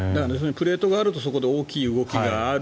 プレートがあるとそこで大きい動きがある。